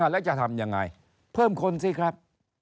แล้วจะทำยังไงเพิ่มคนสิครับ